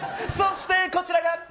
そして、こちらが。